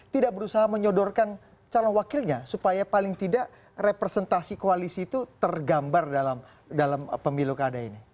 tidak berusaha menyodorkan calon wakilnya supaya paling tidak representasi koalisi itu tergambar dalam pemilu kada ini